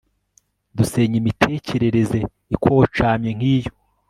dusenya imitekerereze ikocamye nkiyo